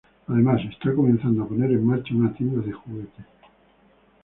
Además está comenzando a poner en marcha una tienda de juguetes.